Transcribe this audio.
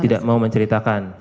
tidak mau menceritakan